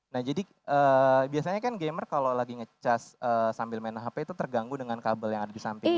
nah jadi biasanya kan gamer kalau lagi nge charge sambil main hp itu terganggu dengan kabel yang ada di samping